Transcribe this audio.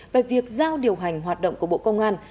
về việc giao điều hành hoạt động của bộ công an